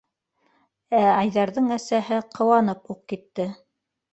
Ә Айҙарҙың әсәһе ҡыуанып уҡ китте.